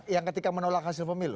yang ketika menolak hasil pemilu